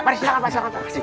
mari silahkan pak